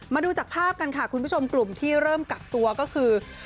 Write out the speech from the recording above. มาดูจากภาพกันค่ะคุณผู้ชมกลุ่มที่เริ่มกักตัวก็คือ